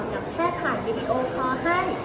กับแค่ผ่านวีดีโอคอร์ให้